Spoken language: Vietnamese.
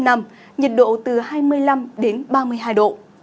nhiệt độ từ hai mươi năm đến ba mươi hai độ